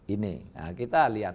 ini nah kita lihat